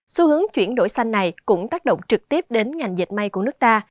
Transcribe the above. xu hướng chuyển đổi xanh này cũng tác động trực tiếp đến ngành dệt may của nước ta